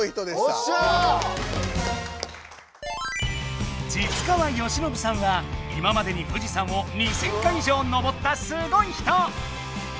實川欣伸さんは今までに富士山を２，０００回以上登ったすごい人！